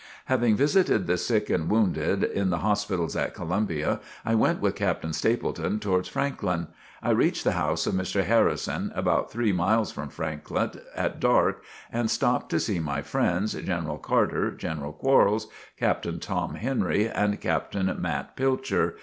Having visited the sick and wounded in the hospitals at Columbia, I went with Captain Stepleton towards Franklin. I reached the house of Mr. Harrison, about three miles from Franklin, at dark, and stopped to see my friends, General Carter, General Quarles, Captain Tom Henry, and Captain Matt Pilcher.